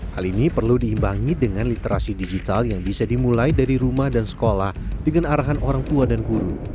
hal ini perlu diimbangi dengan literasi digital yang bisa dimulai dari rumah dan sekolah dengan arahan orang tua dan guru